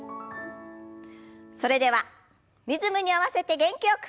それではリズムに合わせて元気よく。